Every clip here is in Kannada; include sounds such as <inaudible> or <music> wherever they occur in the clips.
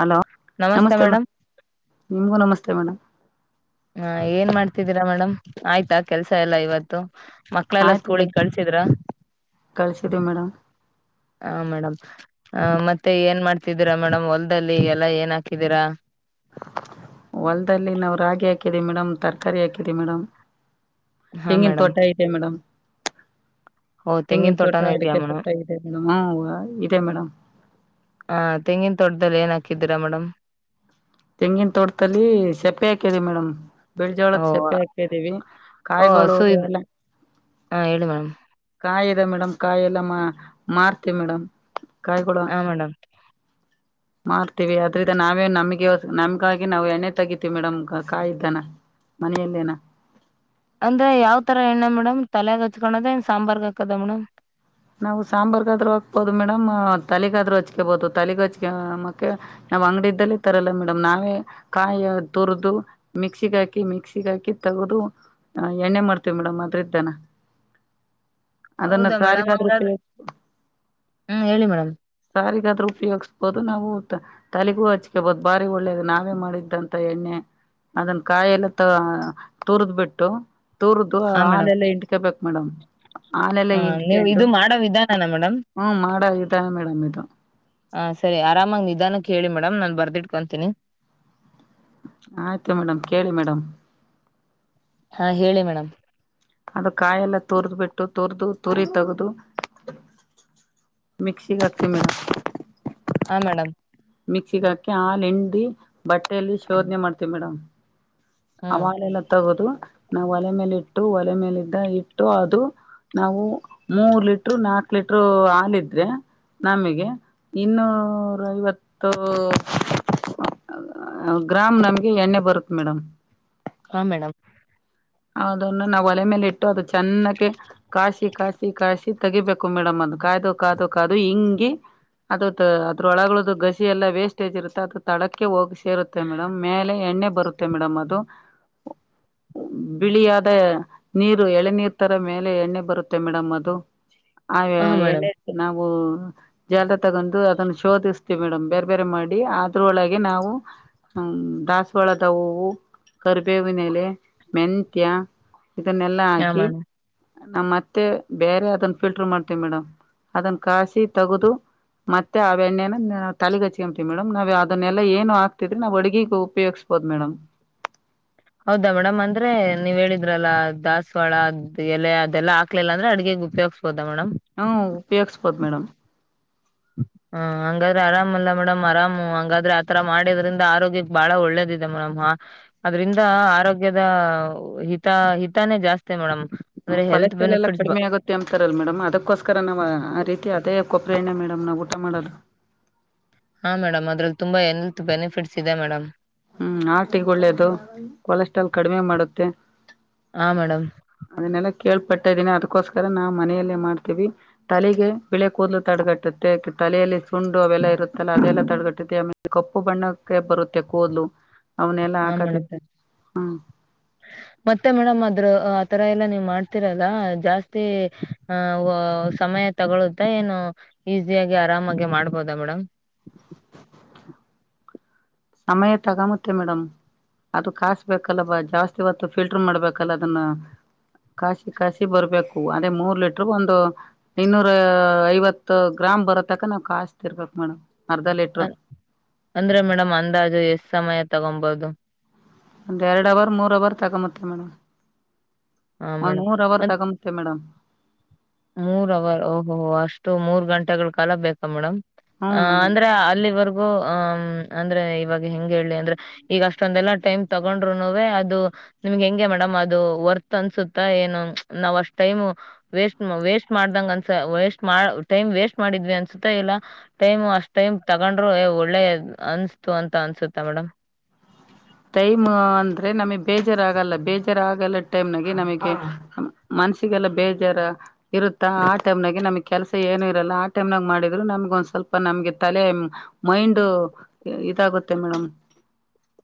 ಹಲೋ ನಮಸ್ತೆ ಮ ನಿಮಗೂ ನಮಸ್ತೆ ಮೇಡಮ್ ಹ ಏನ್ ಮಾಡ್ತಿದ್ದೀರಾ ಮೇಡಮ್ ಆಯ್ತಾ ಕೆಲ್ಸ ಎಲ್ಲಾ ಇವತ್ತು ಮಕ್ಳೆಲ್ಲಾ ಆಯ್ತು ಸ್ಕೂಲಿಗೆ ಮೇಡಮ್ ಕಳ್ಸಿದ್ರ ಕಳ್ಸಿದೀವಿ ಮೇಡಮ್ ಹ ಮೇಡಮ್ ಹ ಮತ್ತೆ ಏನ್ ಮಾಡ್ತಿದ್ದೀರಾ ಮೇಡಮ್ ಹೊಲ್ದಲ್ಲಿ ಎಲ್ಲಾ ಏನ್ ಹಾಕಿದೀರಾ ಹೊಲ್ದಲ್ಲಿ ನಾವವು ರಾಗಿ ಹಾಕಿದಿವಿ ಮೇಡಮ್ ತರಕಾರಿ ಹಾಕಿದಿ ಮೇಡಮ್ ಹಾ ತೆಂಗಿನ ಮೇಡಮ್ ತೋಟ ಐತೆ ಮೇಡಮ್ ಓ ತೆಂಗಿನ ತೋಟ ತೋಟನೂ ಇದೆಯಾ ಅಡಿಕೆ ಮೇಡಮ್ ತೋಟ ಇದೆ ಮೇಡಮ್ ಹ ಇದೆ ಮೇಡಮ್ ಹ ತೆಂಗಿನ ತೊಟ್ದದಲ್ಲಿ ಏನ್ ಹಾಕಿದ್ದೀರಾ ಮೇಡಮ್ ತೆಂಗಿನ ತೋಟಲ್ಲಿ ಸೆಪ್ಪೆ ಹಾಕಿದೆ ಮೇಡಮ್ ಬಿಳಜೋಳದ ಓಹ್ ಸಪ್ಪೆ ಹಾಕಿದೀವಿ ಓಹ್ ಕಾಯಿಗಳು ಹಸು ಇದ್ ಎಲ್ಲ ಹ ಹೇಳಿ ಮೇಡಮ್ ಕಾಯದ ಮೇಡಂ್ ಕಾಯೆಲ್ಲ ಮಾ ಮಾರ್ತಿ ಮೇಡಮ್ ಹ ಮೇಡಮ್ ಮಾಡ್ತೀವಿ ಅದ್ರಿಂದ ನಾವೇ ನಮ್ಗೆ ನಮ್ಗಾಗಿ ನಾವು ಎಣ್ಣೆ ತಗತಿೀವಿ ಮೇಡಮ್ ಕಾಯ್ದನ ಮನೆಯಲ್ಲೇನ ಅಂದ್ರೆ ಯಾವ್ ತರ ಎಣ್ಣ ಮೇಡಮ್ ತಲೆಯ ಹಚ್ಕೋದ ಸಾಂಬಾರ್ಗ ಹಾಕದ ಮೇಡಮ್ ನಾವು ಸಾಂಬಾರ್ುಗಾದ್ರರು ಹಾಕ್ಬೋದು ಮೇಡಮ್ ತಲೆಗಾದ್ರರು ಹಚ್ಕೊಬೋದು ತಲೆಗೆ ಹಚ್ಕ ಮಕ್ಕೆೆ ನಾವ್ ಅಂಗಡ್ದಲೇ ತರಲ್ಲ ಮೇಡಮ್ ನಾವೇ ಕಾಯ ತುರದುು ಮಿಕ್ಸಿಗ್ ಹಾಕಿ ಮಿಕ್ಸಿಗ ಹಾಕಿ ತಗದು ಎಣ್ಣೆ ಮಾಡ್ತೇವಿ ಮೇಡಮ್ ಅದ್ರ ಇದ್ದಾನ ಹೌದಾ ಮೇಡಮ್ ಹಂಗಾದ್ರ ಹ್ಮ್ ಹೇಳಿ ಮೇಡಮ್ ಸಾರಿಗಾದ್ರ ಉಪಯೋಗಿಸ್ಬೋದು ನಾ ಊದ ತಲೆಗೂ ಹಚ್ಿಕೆ ಬಹದ ಬಾರಿ ಒಳ್ಳೇದು ನಾವೇ ಮಾಡಿದ್ದಂತ ಎಣ್ಣೆ ಅದನ್ ಕಾಯಿಲ್ಲ ತ ತುರ್ದ್ ಬಿಟ್ಟು ತೂರದ್ದು ಹಾ ಮೇಡಮ್ ಆನೆಲ್ಲ ಇಂಡಟ್ಕಬೇಕಕ್ ಮೇಡಮ್ ಆನೆಲ್ಲ ಹ ಇ ನೀವು ಇದು ಮಾಡೋ ವಿಧಾನಾನ ಮೇಡಮ್ ಮಾಡೋ ವಿಧಾನ ಮೇಡಮ್ ಇದು ಹ ಸರಿ ಆರಾಮಾಗಿ ನಿಧಾನ ಕೇಳಿ ಮೇಡಮ್ ನಾನು ಬರ್ದಿಟ್ಕೊಂತೀನಿ ಆಯ್ತು ಮೇಡಮ್ ಕೇಳಿ ಮೇಡಮ್ ಹಾ ಹೇಳಿ ಮೇಡಮ್ ಅದು ಕಾಯೆಲ್ಲ ತೋರ್ದ್ ಬಿಟ್ಟು ತೋರ್ದು ತುರಿ ತಗದು ಮಿಕ್ಸಿ ಕತಿ ಮಲೆ ಹಾ ಮೇಡಮ್ ಮಿಕ್ಸಿಿಗೆ ಹಾಕಿ ಹಾಲ ಎಂಡಿ ಬಟ್ಟೆಯಲ್ಲಿ ಶೋಧನೆ ಮಾಡ್ತೇವಿ ಮೇಡಮ್ ಹ್ಮ್ ಅವಳೆಲ್ಲ ತಗೋದು ನಾವು ಒಲೆ ಮೇಲೆ ಇಟ್ಟು ಒಲೆ ಮೇಲಿದ್ದ ಇಟ್ಟು ಅದು ನಾವು ಮೂರ್ ಲೀಟರು ನಾಕ್ು ಲೀಟರು ಹಲ್ಿದ್ರೆ ನಮಗೆ ಇನ್ನೂರ ಐವತ್ತು ಗ್ರಾಮ್ ನಮ್ಗೆ ಎಣ್ಣೆ ಬರುತ್ತ ಮೇಡಮ್ ಹಾ ಮೇಡಮ್ ಅದನ್ನು ನಾವು ಒಲೆ ಮೇಲೆ ಇಟ್ಟು ಅದು ಚೆನ್ನಕ್ಕೆ ಕಾಶಿ ಕಾಶಿ ಕಾಶಿ ತೆಗಿಬೇಕು ಮೇಡಮ್ ಅದು ಕಾಯ್ದು ಕಾಯದುು ಕದು ಹಿಂಗಿ ಅದತ್ ಅದ್ರೊಳಗದದು ಗಸಿ ಎಲ್ಲ ವೇಸ್ಟೇಜ್ ಇರುತ್ತೆ ಅದ ತಳಕ್ಕೆ ಹೋಗಿ ಸೇರುತ್ತೆ ಮೇಡಮ್ ಮೇಲೆ ಎಣ್ಣೆ ಬರುತ್ತೆ ಮೇಡಮ್ ಅದು ಬಿಳಿಯಾದ ನೀರು ಎಳೆನರ್ ತರ ಮೇಲೆ ಎಣ್ಣೆ ಬರುತ್ತೆ ಮೇಡಮ್ ಅದು ಅವೆ ಹಾ ಮೇಡಮ್ ಎ್ಣೆತ ನಾವು ಜಾಲದ ತಗೊಂಡು ಅದನ್ನ ಶೋಧಿಸ್ತೀವಿ ಮೇಡಮ್ ಬೇರೆ ಬೇರೆ ಮಾಡಿ ಅದ್ರೊಳಗೆ ನಾವು ಹ್ಮ ದಾಸವಾಳದ ಹೂವು ಕರಿಬೇವಿನೆಲೆ ಮೆಂತ್ಯ ಇದನ್ನೆಲ್ಲಾ ಹಾ ಹಾಕಿ ಮೇಡಮ್ ನಮ್ಮ ಮತ್ತೆ ಬೇರೆ ಅದನ್ನ ಫಿಲ್ಟರ್ ಮಾಡ್ತೇವಿ ಮೇಡಮ್ ಅದನ್ ಕಾಸಿ ತಗದು ಮತ್ತೆ ಆ ಎಣ್ಣೆನ ನ ತಲೆಗ ಹಚ್ಕೊತೀವಿ ಮೇಡಮ್ ನಾವವು ಅದನ್ನಲ್ಲ ಏನು ಹಾತಿದ್ರೆ ನಾವು ಅಡುಗಿಗೆ ಉಪಯೋಗ್ವಿ ಹೌದು ಮೇಡಮ್ ಹೌದಾ ಮೇಡಮ್ ಅಂದ್ರೆ ನೀವ್ ಹೇಳಿದ್ರಲ್ಲ ದಾಸವಾಳ ಎಲೆ ಅದೆಲ್ಲ ಹಾಕ್ಲಿಲ್ಲ ಅಂದ್ರೆ ಅಡ್ಗೆ ಉಪಯೋಗ್ ಸೋದ ಮೇಡಮ್. ಹ್ಮ ಉಪಯೋಗ್ಸಬಹದು ಮೇಡಮ್. ಹಾ ಹಂಗಾದ್ರೆ ಆರಾಮಲ್ಲ ಮೇಡಮ್ ಆರಾಮು ಹಾಗಂಗಾದ್ರೆ ಆತರ ಮಾಡಿದ್ರಿಂದ ಆರೋಗ್ಯ. ಬಾಳ ಒಳ್ಳೇದಿದೆ ಮೇಡಮ. ಅದ್ರಿಂದ ಆರೋಗ್ಯದ ಹಿತ ಹಿತಾನೇ ಜಾಸ್ತಿ ಮೇಡಮ್. ಅಂದ್ರೆ ಹೆಲ್ತ್ ಕೊಲೆಸ್ಟ್ರಲ್ ಎಲ್ಲ ಬೆನಿಫಿಟ್ಸ್ ಕಡಿಮೆ ಆಗುತ್ತೆ. ರಲ್ಲ ಮೇಡಮ್ ಅದಕ್ಕೋಸ್ಕರ ನಾವು ಆ ರೀತಿ ಅದೇ ಕೊಪ್ರಿ ಎಣ್ಣೆ ಮೇಡಮ್ ನಾವು ಊಟ ಮಾಡೋದು. ಹಾ ಮೇಡಮ್ ಅದ್ರಲ್ಲಿ ತುಂಬಾ ಎಲ್ತ್ ಬೆನಿಫಿಟ್ಸ್ ಇದೆ ಮೇಡಮ್. ಹ್ಮ್ ಆರ್ಟಿಗ್ ಒಳ್ಳೇದು ಕೊಲೆಸ್ಟ್ರಾಲ್ ಕಡಿಮೆ ಮಾಡುತ್ತೆ. ಹಾ ಮೇಡಮ್ ಅದನ್ನೆಲ್ಲ ಕೇಳ್ಪಟ್ಟ್ದೀನಿ ಅದಕ್ಕೋಸ್ಕರ ನಾ ಮನೆಯಲ್ಲೇ ಮಾಡ್ತೀವಿ. ತಲಿಗೆ ಬಿಳೆ ಕೂದಲು ತಡಗಟ್ಟುತ್ತೆ ತಲೆಯಲ್ಲಿ ಸುಂಡು ಅವೆಲ್ಲ ಇರುತ್ತಲ್ಲಾ ಅದೆಲ್ಲಾ ತಡೆಗಟ್ಟೆ ಆಮೆ ಕಪ್ಪು ಬಣ್ಣಕ್ಕೆ ಬರುತ್ತೆ ಕೂದ್ಲು ಅವನೆಲ್ಲಾ ಹಾಕತಿದ್ರೆ ಹ್ಮ. ಹ ಮತ್ತೆ ಮೇಡಮ್ ಅದ್ರ ಆತರ ಎಲ್ಲ ನೀವ್ ಮಾಡ್ತಿರಲ್ಲ ಜಾಸ್ತಿ ಆ ಸಮಯ. ತಗೊಳ್ಳುತ್ತಾ ಏನು ಈಸಿಯಾಗಿ ಆರಾಮಾಗಿ ಮಾಡ್ಬೋದಾ ಮೇಡಮ್. ಸಮಯ ತಗಮುತ್ತೆ ಮೇಡಮ್. ಅದು ಕಾಸ್ಬೇಕಾಲ ಬಾ ಜಾಸ್ತಿ ಹೊತ್ತು ಫಿಲ್ಟರ್ ಮಾಡ್ಬೇಕಲ್ಲ ಅದುನ್ನ. ಕಾಸಿ ಕಾಸಿ ಬರ್ಬೇಕು ಅದೆ ಮೂರ್ ಲೀಟರ್ಗೆ ಒಂದು. ಇನ್ನೂರ ಐವತ್ತು ಗ್ರಾಮ್ ಬರೋ ತಕ ನಾವ್ ಕಸ್ತಿ ಇರ್ಬೇಕ್ ಮೇಡಮ್ ಅರ್ಧ ಲೀಟರು. ಅಂದ್ರೆ ಮೇಡಮ್ ಅಂದಾಜು ಎಷ್ಟ್ ಸಮಯ ತಗೋಬೋದು. ಒಂದ್ ಎರಡ್ ಅವರ್ ಮೂರ್ ಅವರ್ ತಗೊಮುತ್ತೆ ಮೇಡಮ್ ಹಾ ಒಂದ್ ಮೇಡಮ್ ಮೂರ್ ಅವರ್ ಮತ್ ತಗೊಮುತ್ತೆ ಮೇಡಮ್. ಮೂರ್ ಅವರ್ ಓಹೋ ಅಷ್ಟು ಮೂರ್ ಗಂಟೆಗಳ ಕಾಲ ಬೇಕಾ ಮೇಡಮ್. ಅ ಹ್ಮ್ ಮೇಡಮ್ ಅಂದ್ರ ಅಲ್ಲಿವರೆಗೂ ಆ ಅಂದ್ರೆ ಇವಾಗ ಹೆಂಗ ಹೇಳಿ ಅಂದ್ರೆ. ಈಗ ಅಷ್ಟೊಂದೆಲ್ಲಾ ಟೈಮ್ ತಗೊಂಡ್ರುನುವೆ ಅದು. ನಿಮ್ಗೆ ಹೆಂಗೆ ಮೇಡಮ್ ಅದು ವರ್ತ್ ಅನ್ಸುತ್ತ ಏನು ನಾವ್ ಅಷ್ಟ್ ಟೈಮ್. ವೇಸ್ಟ್ ಮಾಡ್ದಂಗ ಅನ್ಸ ವೇಸ್ಟ್ ಮಾಡ ಟೈಮ್ ವೇಸ್ಟ್ ಮಾಡಿದ್ವಿ ಅನ್ಸುತ್ತಾ ಇಲ್ಲಾ. ಟೈಮ್ ಅಷ್ಟ್ ಟೈಮ್ ತಗೊಂಡ್ರೆ ಹೆ ಒಳ್ಳೆ ಅನ್ಸ್ತು ಅಂತ ಅನ್ಸುತ್ತ ಮೇಡಮ್. ಟೈಮ್ ಅಂದ್ರೆ ನಮಗೆ ಬೇಜಾರಾಗಲ್ಲ ಬೇಜಾರಾಗಲ್ಲ. ಟೈಮ್ನಗೆ ನಮಗೆ ಮನ್ಸಿಗೆಲ್ಲ ಬೇಜಾರ. ಇರುತ್ತಾ ಆ ಟೈಮ್ನಾಗ ನಮ್ಗ್ ಕೆಲ್ಸ ಏನು ಇರಲ್ಲ ಆ ಟೈಮ್ನಾಗ ಮಾಡಿದ್ರು ನಮ್ಗ ಒಂದ್ ಸ್ವಲ್ಪ ನಮ್ಗೆ ತಲೆ. ಮೈಂಡು ಇದಾಗುತ್ತೆ ಮೇಡಮ್.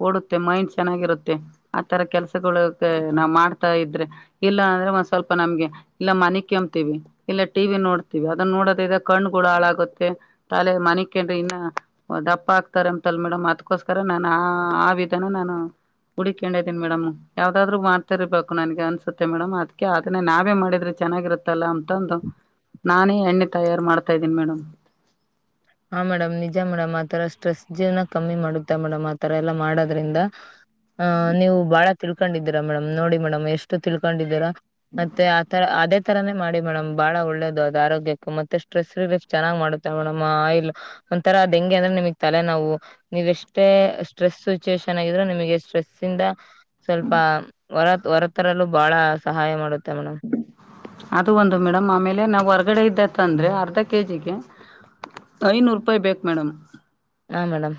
ಓಡುತ್ತೆ ಮೈಂಡ್ ಚೆನ್ನಾಗಿರುತ್ತೆ ಆತರ ಕೆಲಸಗಳು ನಾವ್ ಮಾಡ್ತಾ ಇದ್ರೆ. ಇಲ್ಲ ಅಂದ್ರೆ ಒಂದ್ ಸ್ವಲ್ಪ ನಮ್ಗೆ. ಇಲ್ಲ ಮಲಿಕಂಬ್ತೀವಿ ಇಲ್ಲ ಟಿವಿ ನೋಡ್ತಿವಿ ಅದನ್ನ ನೋಡೋದ್ರ ಇದ ಕಣ್ಗಳು ಹಾಳಾಗುತ್ತೆ. ತಲೆೆ ಮನಿಕಂಡ್ರ ಇನ್ನ ದಪ್ಪ ಆಕ್ತಾರ ಅಂತಲ್ ಮೇಡಮ್ ಅದಕೋಸ್ಕರ ನಾನ ಆ ವಿದಾನ ನಾನು. ಹುಕೊಂಡ ಇದೀನಿ ಮೇಡಮ್ ಯಾವ್ದಾದ್ರು ಮಾಡ್ತರ್ಬೇಕು ನನ್ಗೆ ಅನ್ಸುತ್ತೆ ಮೇಡಮ್ ಅದ್ಕ್ಕೆ ಅದನ್ನ ನಾವೇ ಮಾಡಿದ್ರೆ. ಚೆನ್ನಾಗಿರುತ್ತಲ್ಲ ಅಂತಂದು ನಾನೇ ಎಣ್ಣೆ ತಯಾರ್ ಮಾಡ್ತಾ ಇದ್ದೀನಿ ಮೇಡಮ್. ಹಾ ಮೇಡಮ್ ನಿಜ ಮೇಡಮ್ ಆತರ ಸ್ಟ್ರೆಸ್ ಜೀವನ ಕಮ್ಮಿ ಮಾಡುತ್ತ ಮೇಡಮ್ ಆತರ ಎಲ್ಲಾ ಮಾಡೋದ್ರಿಂದ. ಹ ನೀವು ಬಾಳ ತಿಳ್ಕೊಂಡಿದ್ದೀರಾ ಮೇಡಮ್ ನೋಡಿ ಮೇಡಮ್ ಎಷ್ಟು ತಿಳ್ಕೊಂಡಿದ್ದೀರಾ. ಮತ್ತೆ ಆತರ ಅದೇ. ಥರನೇ ಮಾಡಿ ಮೇಡಮ್ ಬಹಳ ಒಳ್ಳೇದು ಅದು ಆರೋಗ್ಯಕ್ಕ ಮತ್ತೆ ಸ್ಟ್ರೆಸ್ ರಿಲೀಫ್ ಚೆನ್ನಾಗಿ ಮಾಡುತ್ತೆ ಮೇಡಮ್ ಆಯಿಲ್. ಒಂತರ ಅದೆಂಗೆ ಅಂದ್ರೆ ನಿಮಗ್ ತಲೆ ನೊವು. ನೀವ್ ಎಷ್ಟೇ ಸ್ಟ್ರೆಸ್ ಸಿಚುವೇೇಶನ್ ಆಗಿದ್ರೆ ನಿಮಗೆ ಸ್ಟ್ರೆಸ್ ಇಂದ. ಸ್ವಲ್ಪ ಹೊರ ಹೊರತರಲ್ಲೂ ಬಹಳ ಸಹಾಯ ಮಾಡುತ್ತೆ ಮೇಡಮ್. ಅದು ಒಂದು ಮೇಡಮ್ ಆಮೇಲೆ ನಾವು ಹೊರ್ಗಡೆ ಇಂದ ತಂದ್ರೆ ಅರ್ಧ ಕೆಜಿಗೆ. ಐನೂರು ರೂಪಾಯಿ ಬೇಕ್ ಮೇಡಮ್. ಹಾ ಮೇಡಮ್.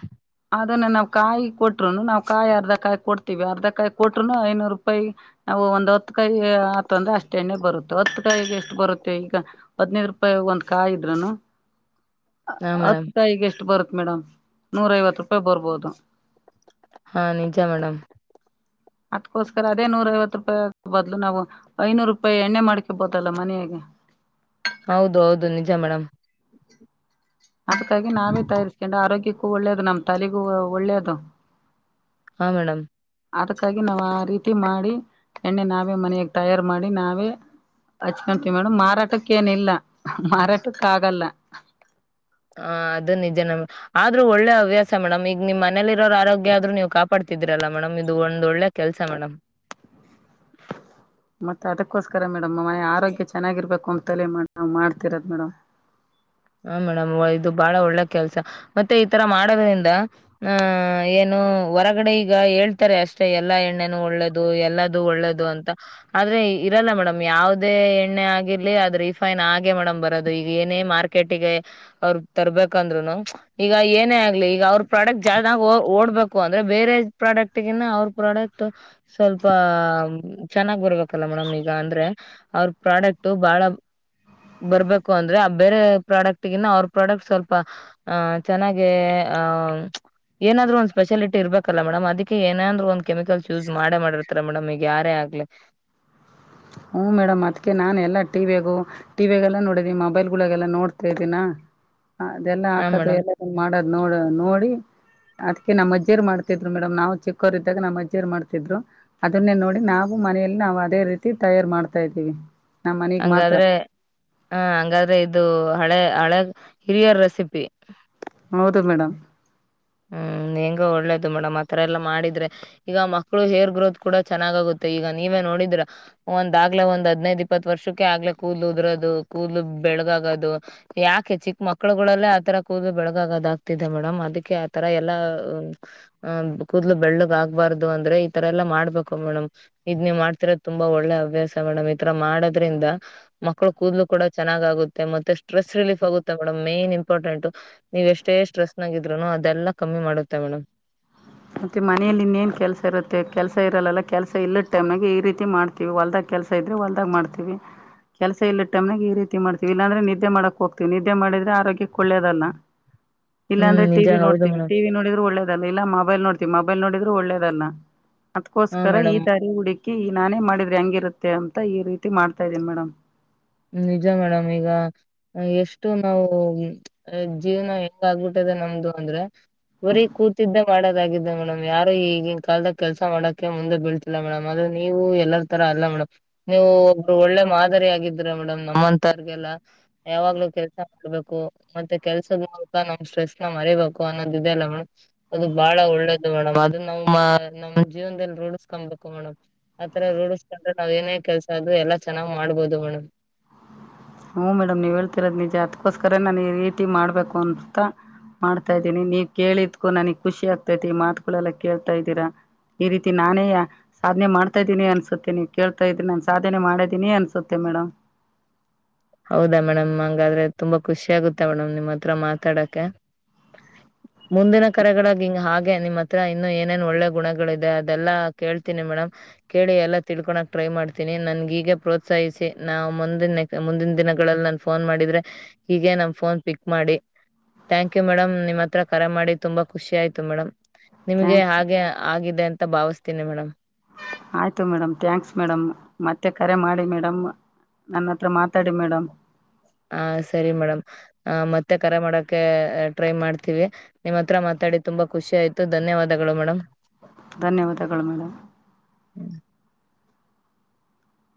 ಅದನ್ನ ನಾವು ಕಾಯಿ ಕೊಟ್ರುನು ನಾವು ಕಾಯಿ ಅರ್ಧ ಕಾಯಿ ಕೊಡ್ತೀವಿ ಅರ್ಧ ಕಾಯಿ ಕೊಟ್ರುನು ಐನೂರು ರೂಪಾಯಿ. ನಾವು ಒಂದ್ ಹೊತ್ತು ಕಾಯಿ ಆತಂದ್ರ ಅಷ್ಟ ಎಣ್ಣೆ ಬರುತ್ತೆ ಹೊತ್ತು ಕಾಯ ಎಷ್ಟು ಬರುತ್ತೆ ಈಗ. ಹದ್ನೈದು ರೂಪಾಯಿ ಒಂದ್ ಕಾಯ ಇದ್ರನು. <inaudible> ಮೇಡಮ್ ಹತ್ತುಕಾಯಿಗೆ ಎಷ್ಟು ಬರುತ್ತ ಮೇಡಮ್ ನೂರ ಐವತ್ತು ರೂಪಾಯಿ ಬರ್ಬೋದು. ಹಾ ನಿಜ ಮೇಡಮ್. ಅದಕ್ಕೋಸ್ಕರ ಅದೇ ನೂರ ಐವತ್ತು ರೂಪಾಯಿ ಬದ್ಲು ನಾವು. ಐನೂರು ರೂಪಾಯಿ ಎಣ್ಣೆ ಮಾಡ್ಕಬೋದಲ್ಲ ಮನೆಯಗೆ. ಹೌದು ಹೌದು ನಿಜ ಮೇಡಮ್. ಅದಕ್ಕಾಗಿ ನಾವೇ ತಯಾರಿಸಿಕೊಂಡು ಆರೋಗ್ಯಕ್ಕೂ ಒಳ್ಳೇದು ನಮ್ಮ್ ತಲೆಗೂ ಒಳ್ಳೇದು. ಹಾ ಮೇಡಮ್. ಅದಕ್ಕಾಗಿ ನಾವು ಆ ರೀತಿ ಮಾಡಿ ಎಣ್ಣೆ ನಾವೇ ಮನಾಗ ತಯಾರು ಮಾಡಿ ನಾವೇ. ಹಚ್ಕೊಂತೀವಿ ಮೇಡಮ್ ಮಾರಾಟಕ್ಕ ಏನ ಇಲ್ಲ ಮಾರಾಟಕ್ಕ ಆಗಲ್ಲ. ಹ ಅದು ನಿಜ ನಮ. ಆದ್ರೂ ಒಳ್ಳೆ ಹವ್ಯಾಸ ಮೇಡಮ್ ಈಗ ನಿಮ್ ಮನೇಲಿ ಇರೋರ ಆರೋಗ್ಯ ಅದ್ರು ನೀವು ಕಾಪಾಡ್ತಿದೀರಲ್ಲ ಮೇಡಮ್ ಇದು ಒಂದ್ ಒಳ್ಳೆ ಕೆಲ್ಸ ಮೇಡಮ್. ಈ ಮತ್ತೆ ಅದಕ್ಕೋಸ್ಕರ ಮೇಡಮ್ ಆರೋಗ್ಯ ಚೆನ್ನಾಗಿರ್ಬೇಕು ಅಂತಲೆ ನಾವ್ ಮಾಡ್ತಿರೋದು ಮೇಡಮ್. ಹ ಮೇಡಮ್ ಇದು ಬಾಳ ಒಳ್ಳೆ ಕೆಲ್ಸ ಮತ್ತೆ ಈತರ ಮಾಡೋದ್ರಿಂದ. ಹ ಏನು ಹೊರಗಡೆ ಈಗ ಹೇಳ್ತಾರೆ ಅಷ್ಟೇ ಎಲ್ಲಾ ಎಣ್ಣೆನ ಒಳ್ಳೆದ ದು ಎಲ್ಲದು ಒಳ್ಳೇದು ಅಂತ. ಆದ್ರೆ ಇರಲ್ಲ ಮೇಡಮ್ ಯಾವದೇ ಎಣ್ಣೆ ಆಗಿರ್ಲಿ ಅದು ರಿಫೈನ್ ಆಗೆ ಮೇಡಮ್ ಬರೋದು ಈಗ ಏನೇ ಮಾರ್ಕೆ ಕೆಟ್ಟಿಗೆ ಅವ್ರ ತರ್ಬೇಕಂದ್ರುನು. ಈಗ ಏನೇ ಆಗ್ಲಿ ಈಗ ಅವ್ರ ಪ್ರಾಡಕ್ಟ್ ಜಾ ಓಡ್ಬೇಕು. ಅಂದ್ರೆ ಬೇರೆ ಪ್ರಾಡಕ್ಟ್ಗಿನ್ನ ಅವ್ರ ಪ್ರಾಡಕ್ಟ್. ಸ್ವಲ್ಪ ಚೆನ್ನಾಗ್ ಬರ್ಬೇಕಲ್ಲ ಮೇಡಮ್ ಈಗ ಅಂದ್ರೆ. ಅವ್ರ ಪ್ರಾಡಕ್ಟ್ ಬಾಳ ಬರ್ಬೇಕು ಅಂದ್ರೆ ಬೇರೆ. ಪ್ರಾಡಕ್ಟ್ಗಿನ್ನ ಅವ್ರ ಪ್ರಾಡಕ್ಟ್ ಸ್ವಲ್ಪ ಆ ಚೆನ್ನಾಗೆ ಆ. ಏನಾದ್ರು ಒಂದ್ ಸ್ಪೆಶಾಲಟಿ ಇರ್ಬೇಕಲ್ಲ ಮೇಡಮ್ ಅದಕ್ಕೆ ಏನಾದ್ರು ಒಂದ್ ಕೆಮಿಕಲ್ಸ್ ಯೂಸ್ ಮಾಡೆ ಮಾ ಹತ್ರ ಮೇಡಮ್ ಈಗ ಯಾರೇ ಆಗ್ಲಿ. ಹು ಮೇಡಮ್ ಅದಕ್ಕೆ ನಾನು ಎಲ್ಲ ಟಿವಿಯಗು. ಟಿವಿಯಾಗಲ್ಲ ನೋಡಿದನಿ ಮೊಬೈಲ್ ಗೋಳಗೆಲ್ಲ ನೋಡ್ತಾ ಇದಿನಾ ಅದೆಲ್ಲ ಹಾ ಹಾಕದು ಮೇಡಮ್ ಎಲ್ಲ. ಮಾಡದ್ ನೋಡ ನೋಡಿ. ಅದ್ಕೆ ನಮ್ಮ ಅಜ್ಜಿರು ಮಾಡ್ತಿದ್ರು ಮೇಡಮ್ ನಾವ ಚಿಕ್ಕರ್ ಇದ್ದಾಗ ನಮ್ ಅಜ್ಜಿರೊ ಮಾಡ್ತಿದ್ರು. ಅದನ್ನೇ ನೋಡಿ ನಾವು ಮನಲಿ ನಾವು ಅದೇ ರೀತಿ ತಯಾರ್ ಮಾಡ್ತಾ ಇದ್ದೀವಿ. ನಮ್ಮ ಮನೆಗ್ ಮಾತ್ರ ಹಂಗಾದ್ರೆ ಹ ಹಂಗಾದ್ರೆ ಇದು ಹಳೆ ಹಳೆ ಹಿರಿಯ ರೆಸಿಪಿ. ಹೌದು ಮೇಡಮ್. ಹ್ಮ್ ಹೆಂಗೋ ಒಳ್ಳೇದು ಮೇಡಮ್ ಅತರ ಎಲ್ಲಾ ಮಾಡಿದ್ರೆ. ಈಗ ಮಕ್ಳು ಹೇರ್ ಗ್ರೋತ್ ಕೂಡ ಚೆನ್ನಾಗಗುತ್ತೆ ಈಗ ನೀವೇ ನೋಡಿದ್ರ. ಒಂದಾಗ್ಲೇ ಒಂದ್ ಹದಿನೈದು ಇಪ್ಪತ್ತು ವರ್ಷಕ್ಕೆ ಆಗ್ಲೆೇ ಕೋಧ್ಲು ಉದರೋದು ಕೂದ್ಲು ಬೆಳ್ಳಗಗೊದು. ಯಾಕೆ ಚಿಕ್ಕ ಮಕ್ಳುಗಳಲ್ಲೇ ಆತರ ಕೂದ್ಲು ಬೆಳಗಾಗದ ಆಗ್ತಿದೆ ಮೇಡಮ್ ಅದಕ್ಕೆ. ತರ ಎಲ್ಲಾ ಕೂದ್ಲು ಬೆಳ್ಳಗ್ ಆಗ್ಬಾರ್ದು ಅಂದ್ರೆ ಈ ತರ ಎಲ್ಲಾ ಮಾಡ್ಬೇಕು ಮೇಡಮ್ ಇದ್ ನೀ್ ಮಾಡ್ತಿರೋದು ತುಂಬಾ ಒಳ್ಳೆ ಅಭ್ಯಾಸ ಮೇಡಮ್ ಈ ತರ ಮಾಡೋದ್ರಿಂದ ಮಕ್ಕಳು ಕೂದಲು ಕೂಡ ಚನ್ನಾಗುತ್ತೆ ಮತ್ತೆ ಸ್ಟ್ರೆಸ್ ರಿಲೀಫ ಆಗುತ್ತೆ ಮೇಡಮ್ ಮೇನ್ ಇಂಪಾರ್ಟೆಂಟ್ ನೀವು ಎಷ್ಟೇ ಸ್ಟ್ರೆಸ್ ನಾಗಿದ್ರುನು ಅದೆಲ್ಲ ಕಮ್ಮಿ ಮಾಡುತ್ತೆ ಮೇಡಮ್ ಮತ್ತೆ ಮನೆಯಲ್ಲಿ ಇನ್ನ ೇನ್ ಕೆಲಸ ಇರುತ್ತೆ ಕೆಲಸ ಇರಲ್ಲ ಕೆಲಸ ಇಲ್ಲದ ಟೈಮ್ಾಗೆ ಈ ರೀತಿ ಮಾಡ್ತಾರೆ ಹೊಲ್ದಾಗ ಕೆಲಸ ಇದ್ರೆ ಹೊಲ್ದಾಗ್ ಮಾಡ್ತೀವಿ ಕೆಲಸ ಇಲ್ಲ ಟಮ್ನಾಗ ಈ ರೀತಿ ಮಾಡ್ತತಿವಿ ಇಲ್ಲಾಂದೆ ನಿದ್ದೆ ಮಾಡಕ್ ಹೋಗ್ತಿವಿ ನಿದ್ದೆ ಮಾಡ್ರೆ ಆರೋಗ್ಯಕ್ಕೆ ಒಳ್ಳೇದಲ್ಲ <inaudible> ಹ್ಮ್ ಇಲ್ಲಾಂದ್ರೆಟಿ ನಿಜ ಹೌದು ನೋಡ್ತೀವಿ ಮೇಡಮ್ ಟಿ ವಿ ನೋಡಿದ್ರ ಒೇದಲ್ಲ ಮೊಬೈಲ್ ನೋಡ್ತೀವಿ ಮೊಬೈಲ್ ನೋಡಿದ್ರರು ಒಳ್ಳೇದಲ್ಲ ಹಾ ಅದಕೋಸ್ಕರ ಈ ಮೇಡಮ್ ದಾರಿ ಹುಡ ನಾನೇ ಮಾಡಿದ್ರೆ ಹೆಂಗಿರುತ್ತೆ ಅಂತ ಈ ರೀತಿ ಮಾಡ್ತಾ ಇದೀನಿ ಮೇಡಮ್ ್ಮ ನಿಜ ಮೇಡಮ್ ಈಗ ಎಷ್ಟು ನಾವು ಜೀವನ ಹೆಂಗ ಆಗ್ಬಿಟ್ಟಿದೆ ನಮ್ದು ಅಂದ್ರೆ ಬರೀ ಕೂತಿದ್ದ ಮಾಡೋದಾಗಿದ್ದ ಮೇಡಮ್ ಯಾರು ಈಗಿನ ಕಾಲದ ಕೆಲ್ಸ ಮಾಡಕೆ ಮುಂದೆ ಬೀಳ್ತಿಲ್ಲ ಮೇಡಮ್ ಆದದು ನೀವು ಎಲ್ಲರ ತರ ಅಲ್ಲ ಮೇಡಮ್ ನೀವು ಒಬ್ರು ಒಳ್ಳೆ ಮಾದರಿ ಆಗಿದ್ರ ಮೇಡಮ್ ನಮ್ಮಂತಾರ್ಗೆಲ್ಲ ಯಾವಾಗ್ಲೂ ಕೆಲ್ಸ ಮಾಡ್ಬೇಕು ಮತ್ತೆ ಕೆಲ್ಸದ ಮೂಲಕ ನಮ್ ಸ್ಟ್ರೆಸ್ ನ ಮರಿಬೇಕು ಅನ್ನೋದಿದೆ ಅಲ್ಲ ಮೇಡಮ್ ಅದು ಬಹಳ ಒಳ್ಳೇದು ಮೇಡಮ್ ಅದು ನ್ ನಮ್ಮ್ ಜೀವನದಲ್ಲಿ ರೂಢಸ್ಕೊಬೇಕು ಮೇಡಮ್ ಆತರ ರೂಢಿಸ್ಕೊಂಡ್ರೆ ನಾವ್ ಏನೇ ಕೆಲ್ಸ ಅದು ಎಲ್ಲ ಚೆನ್ನಾಗಿ ಮಾಡಬಹುದು ಮೇಡಮ್ ಹೂ ಮೇಡಮ್ ನೀವು ಹೇಳ್ತಿರೋದು ನಿಜ ಅತ್ಕ್ಕೋಸ್ಕರ ನಾನು ರೀತಿ ಮಾಡ್ಬೇಕು ಅನ್ಂತಾ ಮಾಡ್ತಾ ಇದ್ದೀನಿ ನೀವ್ ಕೇಳಿದ್ಕೂ ನನಗ್ ಖುಷಿ ಆಗ್ತೈತಿ ಮಾತುಗಳೆಲ್ಲಾ ಕೇಳ್ತಾ ಇದ್ದೀರಾ ಈ ರೀತಿ ನಾನೇ ಸಾಧನೆ ಮಾಡ್ತಾ ಇದೀನಿ ಅನ್ಸುತ್ತೆ ನೀವು ಕೇಳ್ತ ಇದ್ರಿ ನಾನು ಸಾಧನೆ ಮಾಡಿದ್ದೀನಿ ಅನ್ಸುತ್ತೆ ಮೇಡಮ್ ಹೌದಾ ಮೇಡಮ್ ಹಂಗಾದ್ರೆ ತುಂಬಾ ಖುಷಿ ಆಗುತ್ತೆ ಮೇಡಮ್ ನಿಮ್ಮ್ ಹತ್ರ ಮಾತಾಡಕ್ಕೆ <inaudible> ಮುಂದಿನ ಕರೆಗಳಾಗಿ ಹಿಂಗ ಹಾಗೆ ನಿಮ್ಮ್ ಹತ್ರ ಇನ್ನು ಏನೇನ್ ಒಳ್ಳೆ ಗುಣಗಳಿದೆ ಅದೆಲ್ಲಾ ಕೇಳ್ತೀನಿ ಮೇಡಮ್ ಕೇಳಿ ಎಲ್ಲ ತಿಳ್ಕೊಳಕ್ ಟ್ರೈ ಮಾಡ್ತೀನಿ ನನ್ಗೀಗ ಪ್ರೋತ್ಸಾಹಿಸಿ ನಾವು ಮುಂದಿನ ಮುಂದಿನ ದಿನಗಳಲ್ಲಿ ನನ್ ಫೋನ್ ಮಾಡಿದ್ರೆ ಹೀಗೆ ನಮ್ ಫೋನ್ ಪಿಕ್ ಮಾಡಿ ತ್ಯ್ಯಾಂಕ್ ಯು ಮೇಡಮ್ ನಿಮ್ಮ ಹತ್ರ ಕರ ಮಾಡಿ ತುಂಬ ಖುಷಿ ಆಯಿತು ಮೇಡಮ್ ನಿಮ್ಗೆ ಥ್ಯಾಂಕ್ಸ್ ಹಾಗೆ ಆಗಿದೆ ಅಂತ ಭಾವಿಸ್ತೀನಿ ಮೇಡಮ್ ಆಯ್ತು ಮೇಡಮ್ ಥ್ಯಾಂಕ್ಸ್ ಮೇಡಮ್ ಮತ್ತೆ ಕರೆ ಮಾಡಿ ಮೇಡಮ್ ನನ್ನ ಹತ್ರ ಮಾತಾಡಿ ಮೇಡಮ್ ಹ ಸರಿ ಮೇಡಮ್ ಆ ಮತ್ತೆ ಕರೆ ಮಾಡಕ ಟ್ರೈ ಮಾಡ್ತೀವಿ ನಿಮ್ಮ್ ಹತ್ರ ಮಾತಾಡಿ ತುಂಬಾ ಖುಷಿ ಆಯ್ತು ಧನ್ಯವಾದಗಳು ಮೇಡಮ್ ಧನ್ಯವಾದಗಳು ಮೇಡಮ್